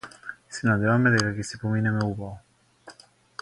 Се надеваме дека ќе си поминеме убаво.